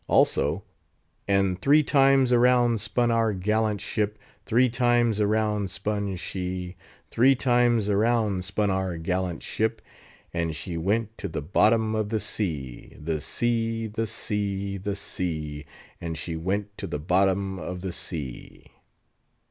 also, "And three times around spun our gallant ship; Three times around spun she; Three times around spun our gallant ship, And she went to the bottom of the sea— The sea, the sea, the sea, And she went to the bottom of the sea!"